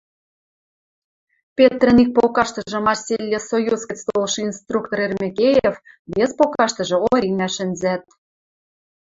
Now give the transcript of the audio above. Петрӹн ик покаштыжы Марсельлессоюз гӹц толшы инструктор Эрмекеев, вес покаштыжы Оринӓ шӹнзӓт.